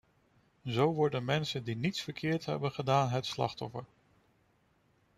Zo worden mensen die niets verkeerd hebben gedaan het slachtoffer.